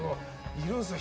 いるんですよ